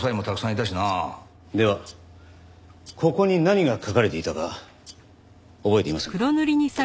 ではここに何が書かれていたか覚えていませんか？